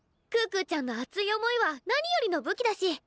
可可ちゃんの熱い想いは何よりの武器だし。